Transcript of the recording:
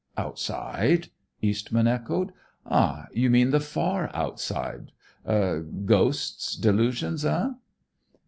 "Outside?" Eastman echoed. "Ah, you mean the far outside! Ghosts, delusions, eh?"